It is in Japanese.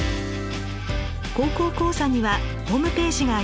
「高校講座」にはホームページがあります。